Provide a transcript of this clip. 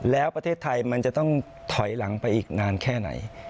แล้วประเทศไทยมันจะต้องถอยหลังไปอีกนานแค่ไหน